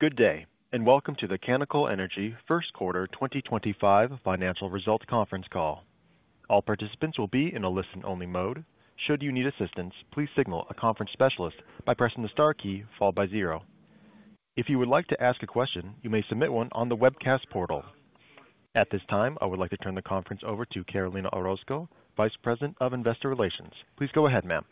Good day, and welcome to the Canacol Energy first quarter 2025 financial result conference call. All participants will be in a listen-only mode. Should you need assistance, please signal a conference specialist by pressing the star key followed by zero. If you would like to ask a question, you may submit one on the webcast portal. At this time, I would like to turn the conference over to Carolina Orozco, Vice President of Investor Relations. Please go ahead, ma'am.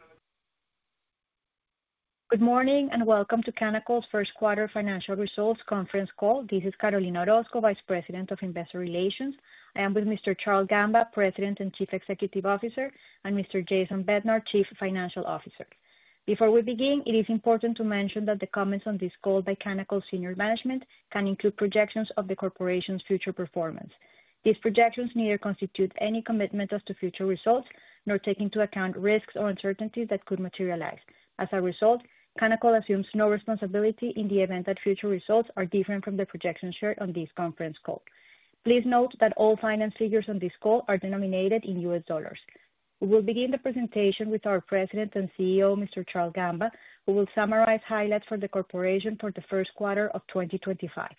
Good morning and welcome to Canacol's first quarter financial results conference call. This is Carolina Orozco, Vice President of Investor Relations. I am with Mr. Charles Gamba, President and Chief Executive Officer, and Mr. Jason Bednar, Chief Financial Officer. Before we begin, it is important to mention that the comments on this call by Canacol's senior management can include projections of the corporation's future performance. These projections neither constitute any commitment as to future results nor take into account risks or uncertainties that could materialize. As a result, Canacol assumes no responsibility in the event that future results are different from the projections shared on this conference call. Please note that all finance figures on this call are denominated in U.S. dollars. We will begin the presentation with our President and CEO, Mr. Charles Gamba, who will summarize highlights for the corporation for the first quarter of 2025.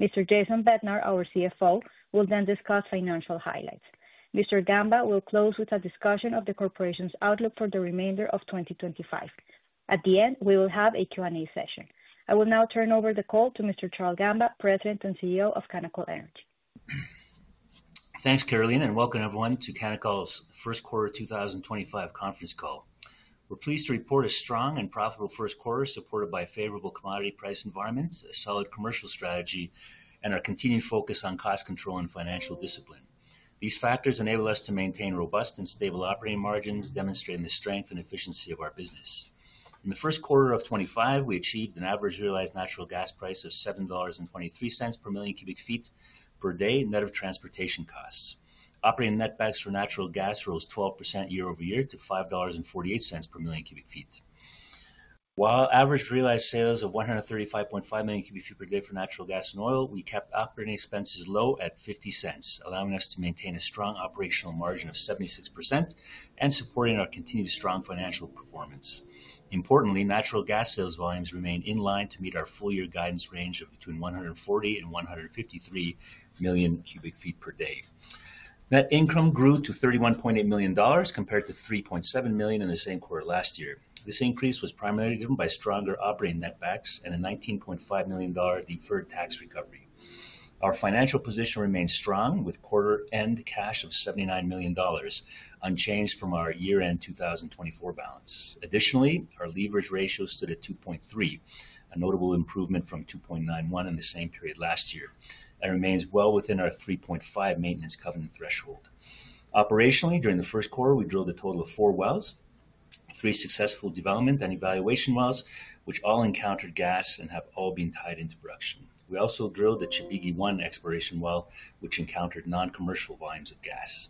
Mr. Jason Bednar, our CFO, will then discuss financial highlights. Mr. Gamba will close with a discussion of the corporation's outlook for the remainder of 2025. At the end, we will have a Q&A session. I will now turn over the call to Mr. Charles Gamba, President and CEO of Canacol Energy. Thanks, Carolina, and welcome everyone to Canacol's first quarter 2025 conference call. We're pleased to report a strong and profitable first quarter supported by favorable commodity price environments, a solid commercial strategy, and our continued focus on cost control and financial discipline. These factors enable us to maintain robust and stable operating margins, demonstrating the strength and efficiency of our business. In the first quarter of 2025, we achieved an average realized natural gas price of $7.23 per million cubic feet net of transportation costs. Operating net back for natural gas rose 12% year-over-year to $5.48 per million ft³. While average realized sales of 135.5 million cubic ft³ per day for natural gas and oil, we kept operating expenses low at $0.50, allowing us to maintain a strong operational margin of 76% and supporting our continued strong financial performance. Importantly, natural gas sales volumes remain in line to meet our full year guidance range of between 140 and 153 million ft³ per day. Net income grew to $31.8 million compared to $3.7 million in the same quarter last year. This increase was primarily driven by stronger operating net back and a $19.5 million deferred tax recovery. Our financial position remains strong with quarter-end cash of $79 million, unchanged from our year-end 2024 balance. Additionally, our leverage ratio stood at 2.3, a notable improvement from 2.91 in the same period last year. It remains well within our 3.5 maintenance covenant threshold. Operationally, during the first quarter, we drilled a total of four wells, three successful development and evaluation wells, which all encountered gas and have all been tied into production. We also drilled the Chibigui One exploration well, which encountered non-commercial volumes of gas.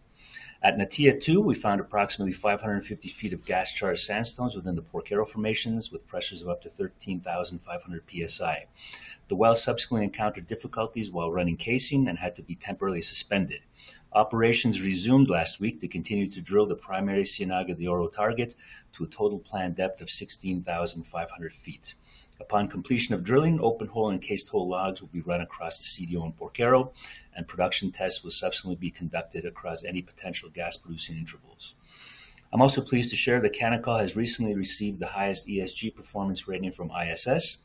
At Natia Two, we found approximately 550 feet of gas-charged sandstones within the Porchero formations with pressures of up to 13,500 PSI. The well subsequently encountered difficulties while running casing and had to be temporarily suspended. Operations resumed last week to continue to drill the primary Cienaga de Oro target to a total planned depth of 16,500 ft. Upon completion of drilling, open hole and cased hole logs will be run across the CDO in Porchero, and production tests will subsequently be conducted across any potential gas-producing intervals. I'm also pleased to share that Canacol has recently received the highest ESG performance rating from ISS,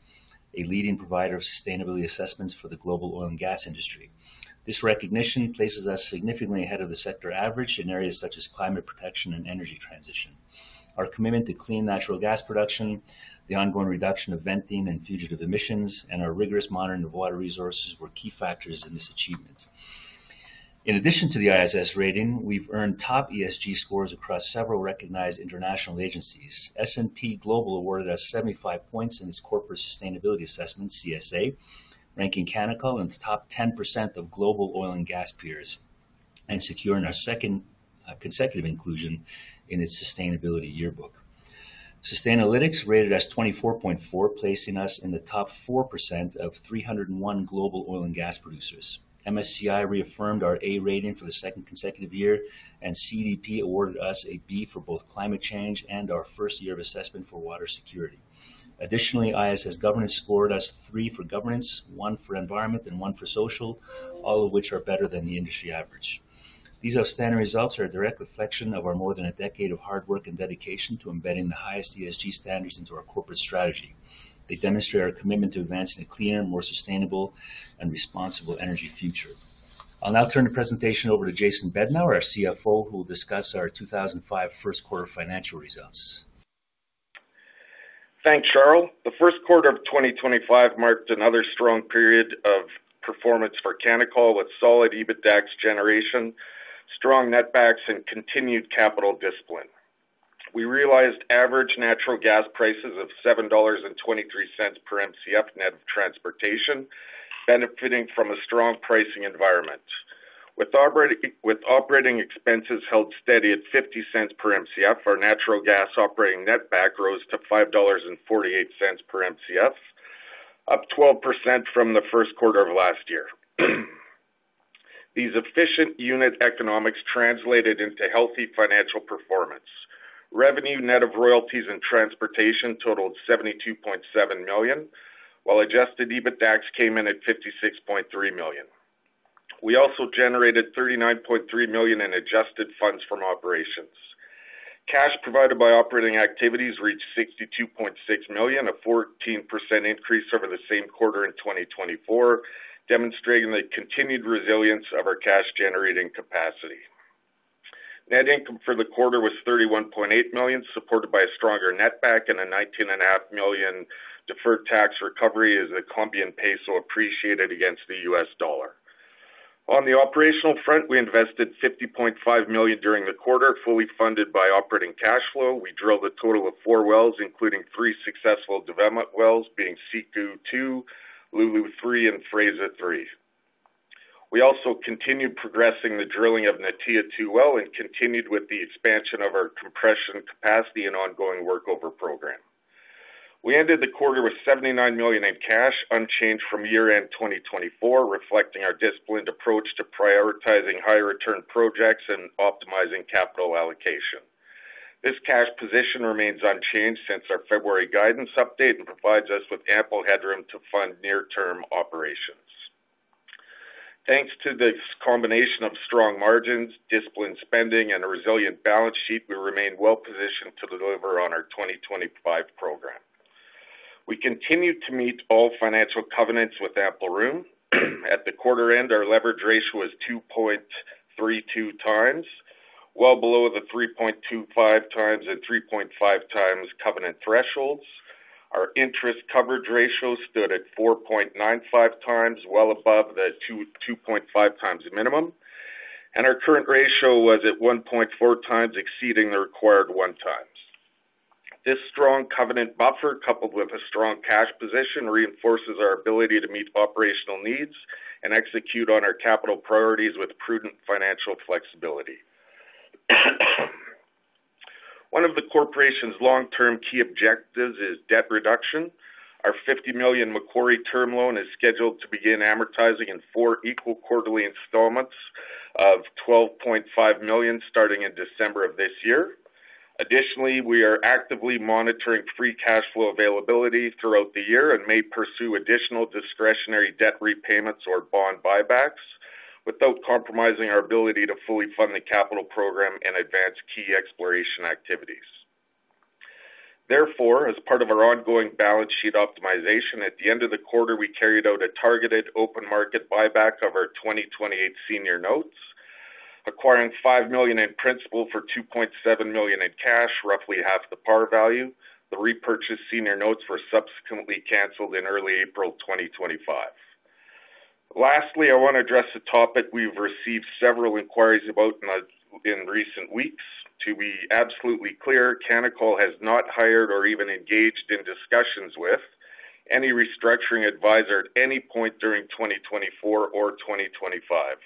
a leading provider of sustainability assessments for the global oil and gas industry. This recognition places us significantly ahead of the sector average in areas such as climate protection and energy transition. Our commitment to clean natural gas production, the ongoing reduction of venting and fugitive emissions, and our rigorous monitoring of water resources were key factors in this achievement. In addition to the ISS rating, we've earned top ESG scores across several recognized international agencies. S&P Global awarded us 75 points in its corporate sustainability assessment, CSA, ranking Canacol in the top 10% of global oil and gas peers and securing our second consecutive inclusion in its sustainability yearbook. Sustainalytics rated us 24.4, placing us in the top 4% of 301 global oil and gas producers. MSCI reaffirmed our A rating for the second consecutive year, and CDP awarded us a B for both climate change and our first year of assessment for water security. Additionally, ISS governance scored us three for governance, one for environment, and one for social, all of which are better than the industry average. These outstanding results are a direct reflection of our more than a decade of hard work and dedication to embedding the highest ESG standards into our corporate strategy. They demonstrate our commitment to advancing a cleaner, more sustainable, and responsible energy future. I'll now turn the presentation over to Jason Bednar, our CFO, who will discuss our 2025 first quarter financial results. Thanks, Charles. The first quarter of 2025 marked another strong period of performance for Canacol with solid EBITDA generation, strong net back, and continued capital discipline. We realized average natural gas prices of $7.23 per MCF net of transportation, benefiting from a strong pricing environment. With operating expenses held steady at $0.50 per MCF, our natural gas operating net back rose to $5.48 per MCF, up 12% from the first quarter of last year. These efficient unit economics translated into healthy financial performance. Revenue net of royalties and transportation totaled $72.7 million, while Adjusted EBITDA came in at $56.3 million. We also generated $39.3 million in adjusted funds from operations. Cash provided by operating activities reached $62.6 million, a 14% increase over the same quarter in 2024, demonstrating the continued resilience of our cash-generating capacity. Net income for the quarter was $31.8 million, supported by a stronger net back and a $19.5 million deferred tax recovery as the Colombian peso appreciated against the U.S. dollar. On the operational front, we invested $50.5 million during the quarter, fully funded by operating cash flow. We drilled a total of four wells, including three successful development wells, being Siku-2, Lulu-3, and Fraser-3. We also continued progressing the drilling of Natia-2 well and continued with the expansion of our compression capacity and ongoing workover program. We ended the quarter with $79 million in cash, unchanged from year-end 2024, reflecting our disciplined approach to prioritizing higher return projects and optimizing capital allocation. This cash position remains unchanged since our February guidance update and provides us with ample headroom to fund near-term operations. Thanks to this combination of strong margins, disciplined spending, and a resilient balance sheet, we remain well positioned to deliver on our 2025 program. We continue to meet all financial covenants with ample room. At the quarter-end, our leverage ratio was 2.32x, well below the 3.25x and 3.5x covenant thresholds. Our interest coverage ratio stood at 4.95x, well above the 2.5x minimum, and our current ratio was at 1.4x, exceeding the required one times. This strong covenant buffer, coupled with a strong cash position, reinforces our ability to meet operational needs and execute on our capital priorities with prudent financial flexibility. One of the corporation's long-term key objectives is debt reduction. Our $50 million Macquarie term loan is scheduled to begin amortizing in four equal quarterly installments of $12.5 million starting in December of this year. Additionally, we are actively monitoring free cash flow availability throughout the year and may pursue additional discretionary debt repayments or bond buybacks without compromising our ability to fully fund the capital program and advance key exploration activities. Therefore, as part of our ongoing balance sheet optimization, at the end of the quarter, we carried out a targeted open market buyback of our 2028 senior notes, acquiring $5 million in principal for $2.7 million in cash, roughly half the par value. The repurchased senior notes were subsequently canceled in early April 2025. Lastly, I want to address a topic we've received several inquiries about in recent weeks. To be absolutely clear, Canacol has not hired or even engaged in discussions with any restructuring advisor at any point during 2024 or 2025.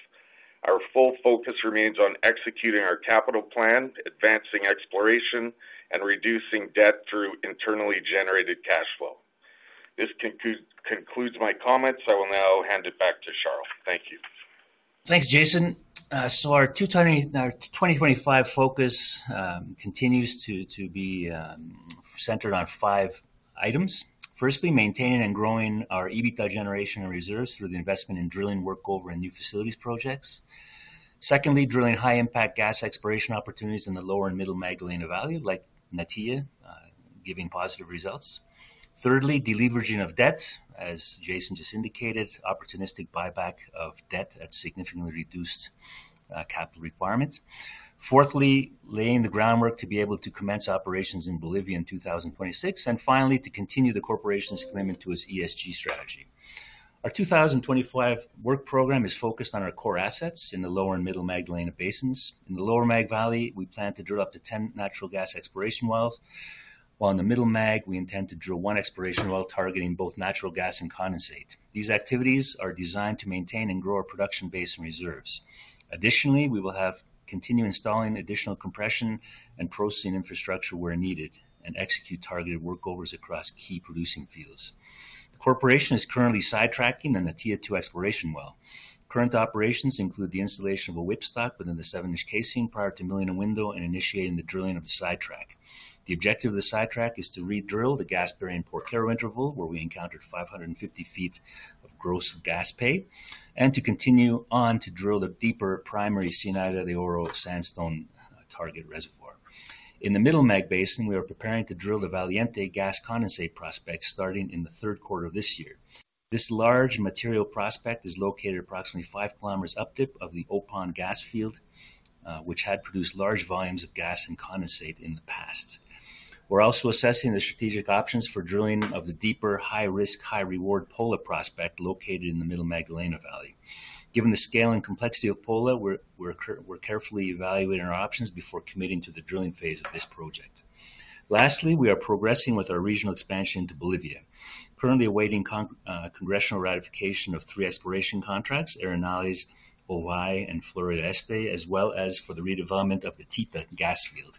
Our full focus remains on executing our capital plan, advancing exploration, and reducing debt through internally generated cash flow. This concludes my comments. I will now hand it back to Charles. Thank you. Thanks, Jason. Our 2025 focus continues to be centered on five items. Firstly, maintaining and growing our EBITDA generation and reserves through the investment in drilling, workover, and new facilities projects. Secondly, drilling high-impact gas exploration opportunities in the lower and middle Magdalena Valley, like Natia, giving positive results. Thirdly, deleveraging of debt, as Jason just indicated, opportunistic buyback of debt at significantly reduced capital requirements. Fourthly, laying the groundwork to be able to commence operations in Bolivia in 2026. Finally, to continue the corporation's commitment to its ESG strategy. Our 2025 work program is focused on our core assets in the lower and middle Magdalena basins. In the lower Mag Valley, we plan to drill up to 10 natural gas exploration wells, while in the middle Mag, we intend to drill one exploration well targeting both natural gas and condensate. These activities are designed to maintain and grow our production base and reserves. Additionally, we will continue installing additional compression and processing infrastructure where needed and execute targeted workovers across key producing fields. The corporation is currently sidetracking the Natia-2 exploration well. Current operations include the installation of a whipstock within the seven-inch casing prior to milling a window and initiating the drilling of the sidetrack. The objective of the sidetrack is to redrill the gas-barrier Porchero interval, where we encountered 550 ft of gross gas pay, and to continue on to drill the deeper primary Cienaga de Oro sandstone target reservoir. In the Middle Magdalena Valley, we are preparing to drill the Valiente gas condensate prospect starting in the third quarter of this year. This large material prospect is located approximately five kilometers updip of the Opon gas field, which had produced large volumes of gas and condensate in the past. We're also assessing the strategic options for drilling of the deeper high-risk, high-reward Pola prospect located in the Middle Magdalena Valley. Given the scale and complexity of Pola, we're carefully evaluating our options before committing to the drilling phase of this project. Lastly, we are progressing with our regional expansion to Bolivia, currently awaiting congressional ratification of three exploration contracts: Aranales, OY, and Florida Este, as well as for the redevelopment of the Tita gas field.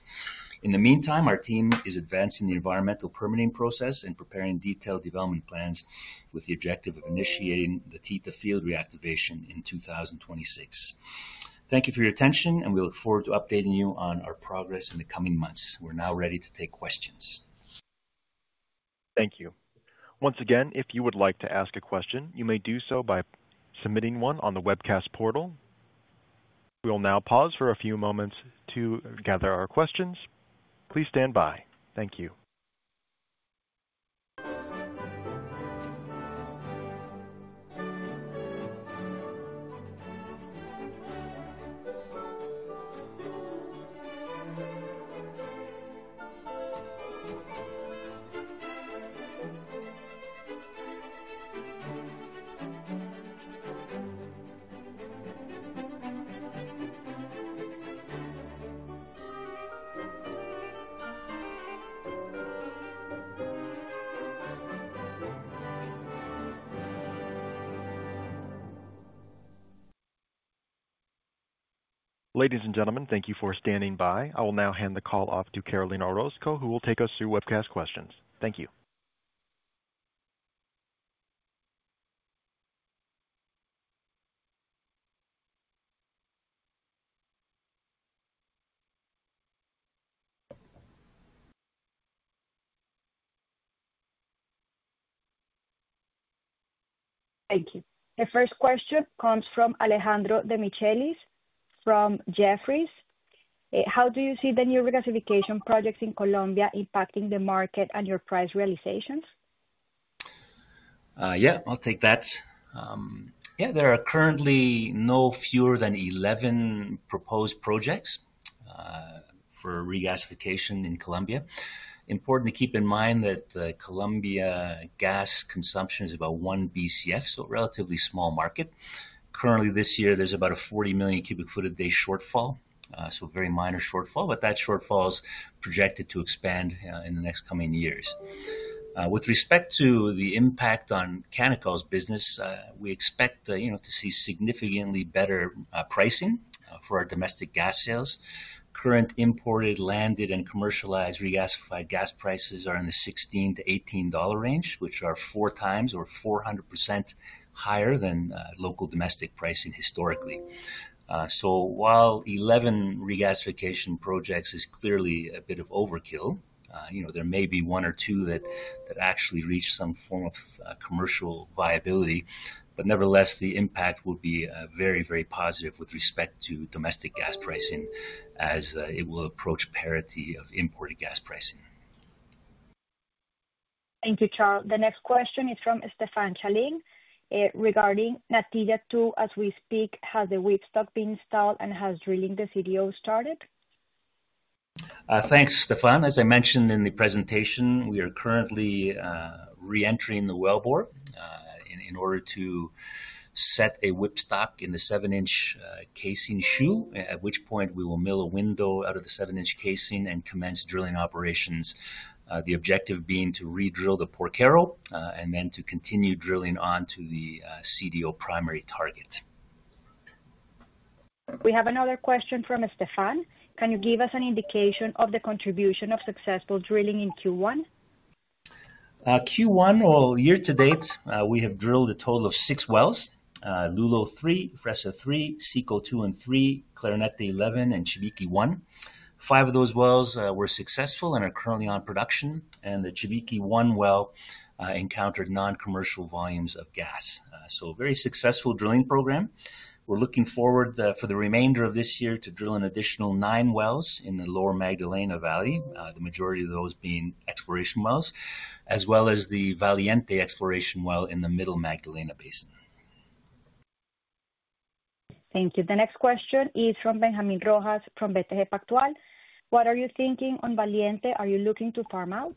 In the meantime, our team is advancing the environmental permitting process and preparing detailed development plans with the objective of initiating the Tita field reactivation in 2026. Thank you for your attention, and we look forward to updating you on our progress in the coming months. We're now ready to take questions. Thank you. Once again, if you would like to ask a question, you may do so by submitting one on the webcast portal. We will now pause for a few moments to gather our questions. Please stand by. Thank you. Ladies and gentlemen, thank you for standing by. I will now hand the call off to Carolina Orozco, who will take us through webcast questions. Thank you. Thank you. The first question comes from Alejandro Demichelis from Jefferies. How do you see the new regasification projects in Colombia impacting the market and your price realizations? Yeah, I'll take that. Yeah, there are currently no fewer than 11 proposed projects for regasification in Colombia. Important to keep in mind that Colombia gas consumption is about 1 BCF, so a relatively small market. Currently, this year, there's about a 40 million ft³ a day shortfall, so a very minor shortfall, but that shortfall is projected to expand in the next coming years. With respect to the impact on Canacol's business, we expect to see significantly better pricing for our domestic gas sales. Current imported, landed, and commercialized regasified gas prices are in the $16-$18 range, which are four times or 400% higher than local domestic pricing historically. While 11 regasification projects is clearly a bit of overkill, there may be one or two that actually reach some form of commercial viability. Nevertheless, the impact would be very, very positive with respect to domestic gas pricing as it will approach parity of imported gas pricing. Thank you, Charles. The next question is from Stefan Chaling regarding Natia-2. As we speak, has the whipstock been installed and has drilling the CDO started? Thanks, Stefan. As I mentioned in the presentation, we are currently reentering the wellbore in order to set a whipstock in the seven-inch casing shoe, at which point we will mill a window out of the seven-inch casing and commence drilling operations, the objective being to redrill the Porchero and then to continue drilling on to the CDO primary target. We have another question from Stefan. Can you give us an indication of the contribution of successful drilling in Q1? Q1, year-to-date, we have drilled a total of six wells: Lulu-3, Fraser-3, Siku 2 and 3, Clarinete 11, and Chibigui-1. Five of those wells were successful and are currently on production, and the Chibigui-1 well encountered non-commercial volumes of gas. A very successful drilling program. We're looking forward for the remainder of this year to drill an additional nine wells in the Lower Magdalena Valley, the majority of those being exploration wells, as well as the Valiente exploration well in the Middle Magdalena basin. Thank you. The next question is from Benjamin Rojas from VTG Pactual. What are you thinking on Valiente? Are you looking to farm out?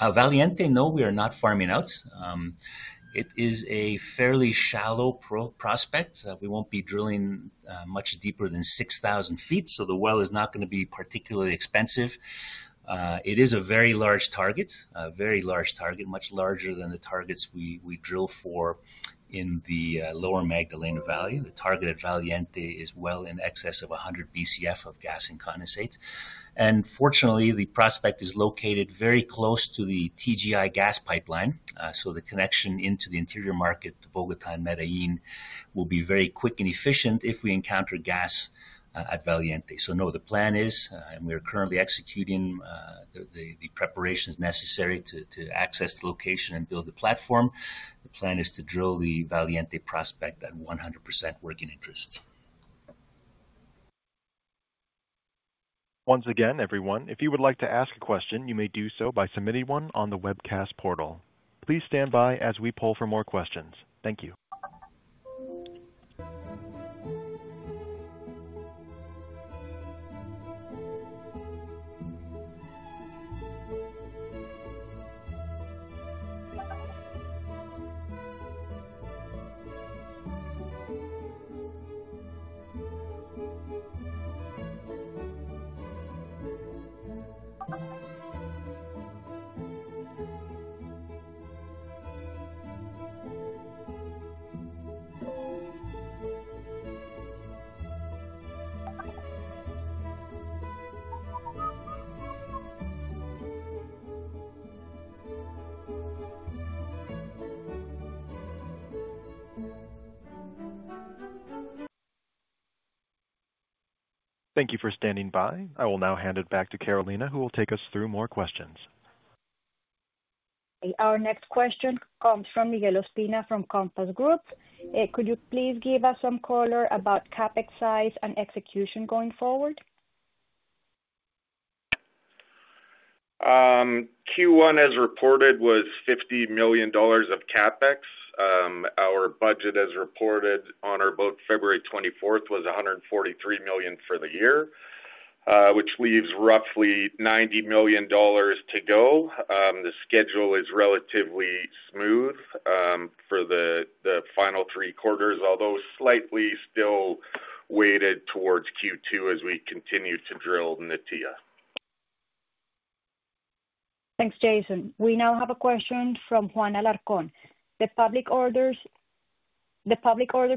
Valiente, no, we are not farming out. It is a fairly shallow prospect. We will not be drilling much deeper than 6,000 feet, so the well is not going to be particularly expensive. It is a very large target, a very large target, much larger than the targets we drill for in the Lower Magdalena Valley. The target at Valiente is well in excess of 100 BCF of gas and condensate. Fortunately, the prospect is located very close to the TGI gas pipeline, so the connection into the interior market to Bogotá and Medellín will be very quick and efficient if we encounter gas at Valiente. No, the plan is, and we are currently executing the preparations necessary to access the location and build the platform. The plan is to drill the Valiente prospect at 100% working interests. Once again, everyone, if you would like to ask a question, you may do so by submitting one on the webcast portal. Please stand by as we pull for more questions. Thank you. Thank you for standing by. I will now hand it back to Carolina, who will take us through more questions. Our next question comes from Miguel Ospina from Compass Group. Could you please give us some color about CapEx size and execution going forward? Q1, as reported, was $50 million of CapEx. Our budget, as reported on our about February 24th, was $143 million for the year, which leaves roughly $90 million to go. The schedule is relatively smooth for the final three quarters, although slightly still weighted towards Q2 as we continue to drill Natia. Thanks, Jason. We now have a question from Juan Alarcón. The public order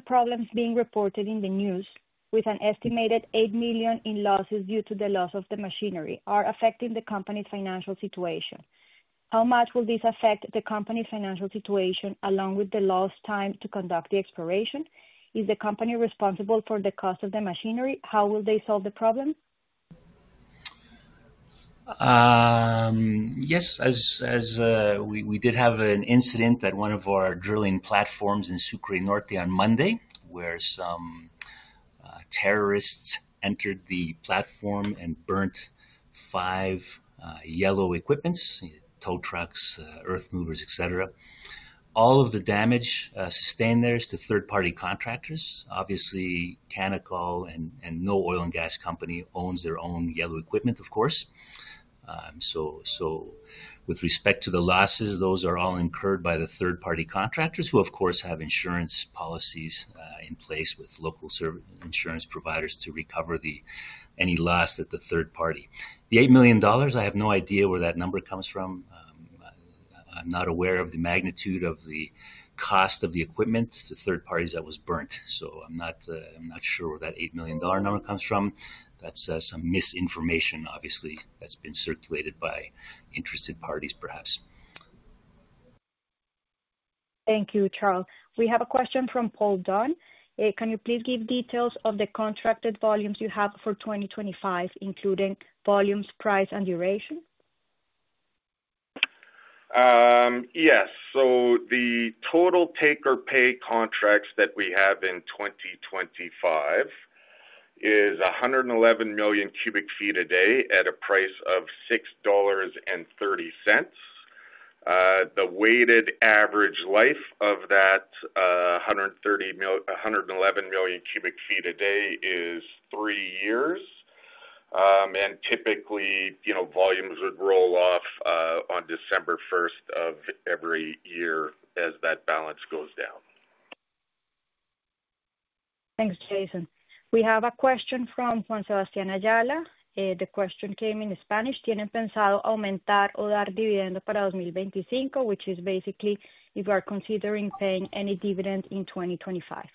problems being reported in the news, with an estimated $8 million in losses due to the loss of the machinery, are affecting the company's financial situation. How much will this affect the company's financial situation along with the lost time to conduct the exploration? Is the company responsible for the cost of the machinery? How will they solve the problem? Yes, as we did have an incident at one of our drilling platforms in Sucre Norte on Monday, where some terrorists entered the platform and burnt five yellow equipment, tow trucks, earth movers, etc. All of the damage sustained there is to third-party contractors. Obviously, Canacol and no oil and gas company owns their own yellow equipment, of course. With respect to the losses, those are all incurred by the third-party contractors who, of course, have insurance policies in place with local insurance providers to recover any loss at the third party. The $8 million, I have no idea where that number comes from. I'm not aware of the magnitude of the cost of the equipment to third parties that was burnt. I'm not sure where that $8 million number comes from. That's some misinformation, obviously, that's been circulated by interested parties, perhaps. Thank you, Charles. We have a question from Paul Dunn. Can you please give details of the contracted volumes you have for 2025, including volumes, price, and duration? Yes. The total take-or-pay contracts that we have in 2025 is 111 million ft³ a day at a price of $6.30. The weighted average life of that 111 million ft³ a day is three years. Typically, volumes would roll off on December 1 of every year as that balance goes down. Thanks, Jason. We have a question from Juan Sebastián Ayala. The question came in Spanish. ¿Tienen pensado aumentar o dar dividendo para 2025? Which is basically if you are considering paying any dividend in 2025.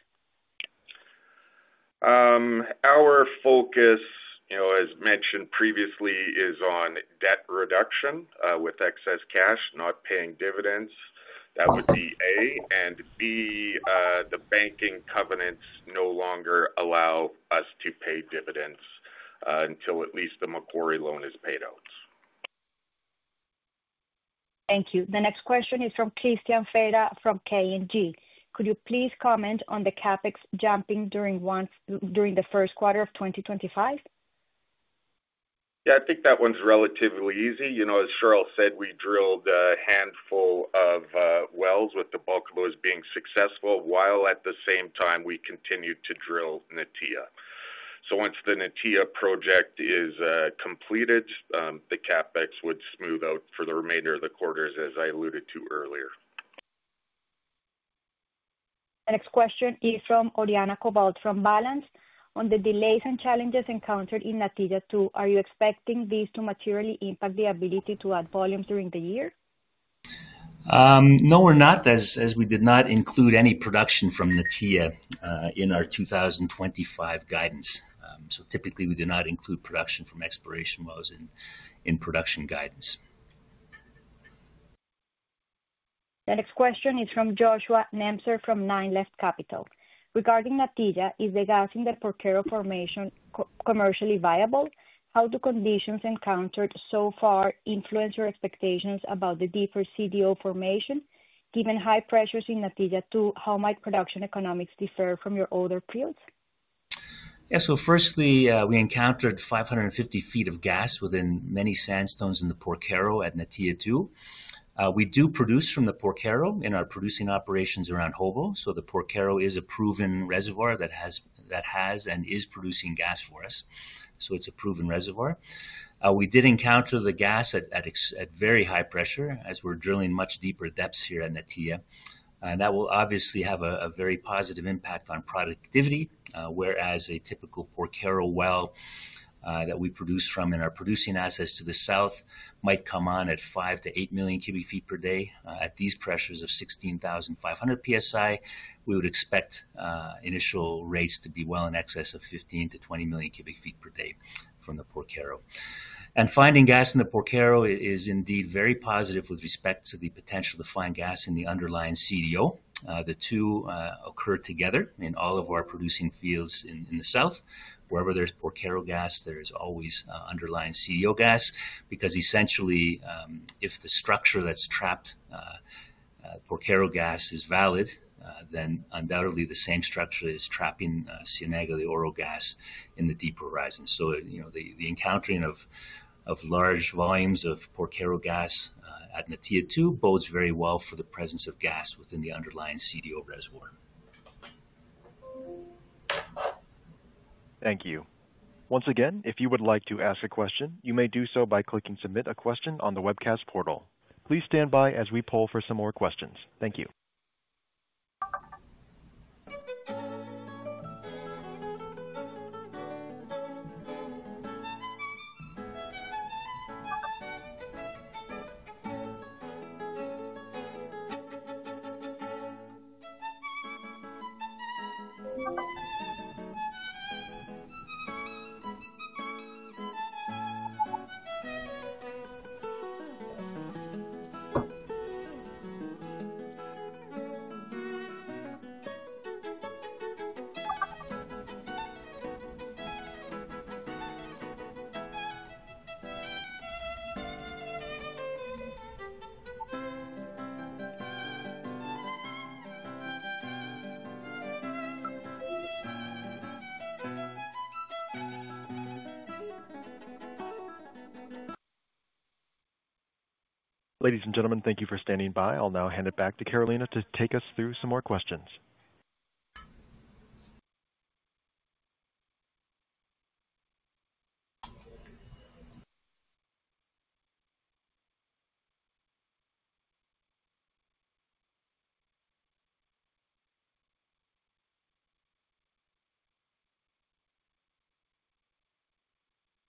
Our focus, as mentioned previously, is on debt reduction with excess cash, not paying dividends. That would be A. B, the banking covenants no longer allow us to pay dividends until at least the Macquarie loan is paid out. Thank you. The next question is from Christian Feira from K&G. Could you please comment on the CapEx jumping during the first quarter of 2025? Yeah, I think that one's relatively easy. As Charles said, we drilled a handful of wells with the bulk of those being successful, while at the same time we continued to drill Natia. Once the Natia project is completed, the CapEx would smooth out for the remainder of the quarters, as I alluded to earlier. The next question is from Oriana Cobalt from Balance. On the delays and challenges encountered in Natia Two, are you expecting these to materially impact the ability to add volumes during the year? No, we're not, as we did not include any production from Natia in our 2025 guidance. Typically, we do not include production from exploration wells in production guidance. The next question is from Joshua Nemser from NineLeft Capital. Regarding Natia, is the gas in the Porchero formation commercially viable? How do conditions encountered so far influence your expectations about the deeper CDO formation? Given high pressures in Natia-2, how might production economics differ from your older fields? Yeah, so firstly, we encountered 550 ft of gas within many sandstones in the Porchero at Natia-2. We do produce from the Porchero in our producing operations around Hobo. The Porchero is a proven reservoir that has and is producing gas for us. It is a proven reservoir. We did encounter the gas at very high pressure as we are drilling much deeper depths here at Natia. That will obviously have a very positive impact on productivity, whereas a typical Porchero well that we produce from in our producing assets to the south might come on at 5-8 million cubic feet per day. At these pressures of 16,500 PSI, we would expect initial rates to be well in excess of 15-20 million ft³ per day from the Porchero. Finding gas in the Porchero is indeed very positive with respect to the potential to find gas in the underlying CDO. The two occur together in all of our producing fields in the south. Wherever there is Porchero gas, there is always underlying CDO gas because essentially, if the structure that has trapped Porchero gas is valid, then undoubtedly the same structure is trapping Cienaga de Oro gas in the deep horizon. The encountering of large volumes of Porchero gas at Natia-2 bodes very well for the presence of gas within the underlying CDO reservoir. Thank you. Once again, if you would like to ask a question, you may do so by clicking Submit a Question on the webcast portal. Please stand by as we pull for some more questions. Thank you. Ladies and gentlemen, thank you for standing by. I'll now hand it back to Carolina to take us through some more questions.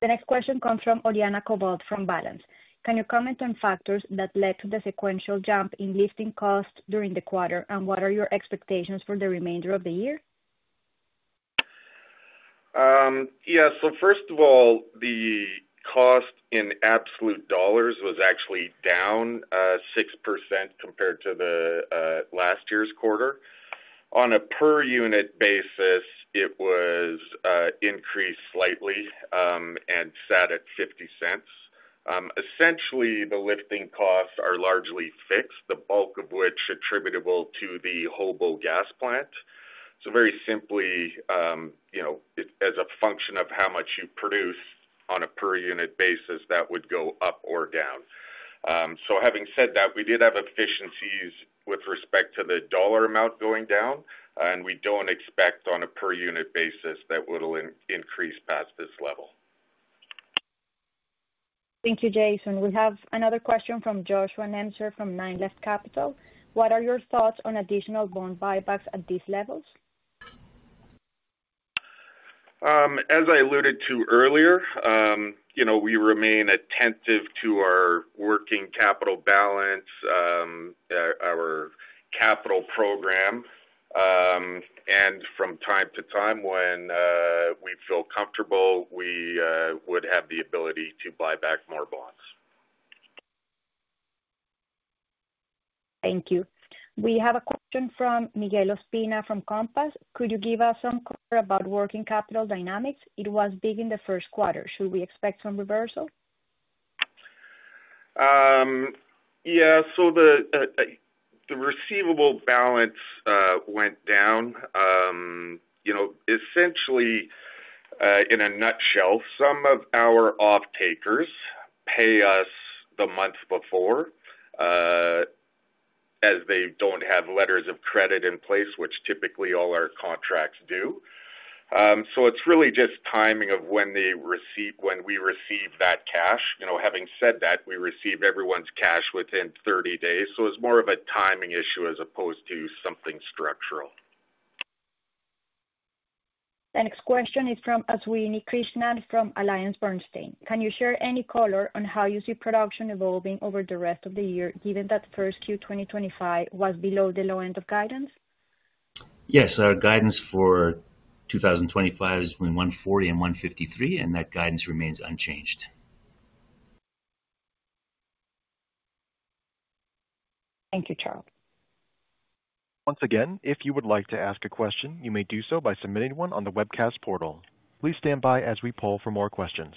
The next question comes from Oriana Cobalt from Balance. Can you comment on factors that led to the sequential jump in lifting costs during the quarter, and what are your expectations for the remainder of the year? Yeah, so first of all, the cost in absolute dollars was actually down 6% compared to last year's quarter. On a per-unit basis, it was increased slightly and sat at $0.50. Essentially, the lifting costs are largely fixed, the bulk of which is attributable to the Hobo gas plant. Very simply, as a function of how much you produce on a per-unit basis, that would go up or down. Having said that, we did have efficiencies with respect to the dollar amount going down, and we do not expect on a per-unit basis that will increase past this level. Thank you, Jason. We have another question from Joshua Nemser from NineLeft Capital. What are your thoughts on additional bond buybacks at these levels? As I alluded to earlier, we remain attentive to our working capital balance, our capital program, and from time to time, when we feel comfortable, we would have the ability to buy back more bonds. Thank you. We have a question from Miguel Ospina from Compass. Could you give us some color about working capital dynamics? It was big in the first quarter. Should we expect some reversal? Yeah, so the receivable balance went down. Essentially, in a nutshell, some of our off-takers pay us the month before as they do not have letters of credit in place, which typically all our contracts do. It is really just timing of when we receive that cash. Having said that, we receive everyone's cash within 30 days. It is more of a timing issue as opposed to something structural. The next question is from Aswini Krishnan from Alliance Bernstein. Can you share any color on how you see production evolving over the rest of the year, given that first Q 2025 was below the low end of guidance? Yes, our guidance for 2025 is between 140 and 153, and that guidance remains unchanged. Thank you, Charles. Once again, if you would like to ask a question, you may do so by submitting one on the webcast portal. Please stand by as we pull for more questions.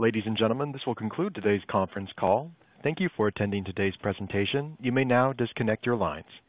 Ladies and gentlemen, this will conclude today's conference call. Thank you for attending today's presentation. You may now disconnect your lines.